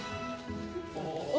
お！